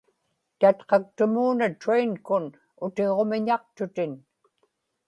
tatqaktumuuna train-kun utiġumiñaqtutin